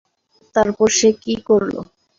তারপর সে কী করলো?